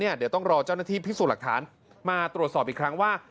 เดี๋ยวต้องรอเจ้าหน้าที่พิสูจน์หลักฐานมาตรวจสอบอีกครั้งว่า